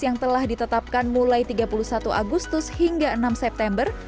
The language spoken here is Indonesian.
yang telah ditetapkan mulai tiga puluh satu agustus hingga enam september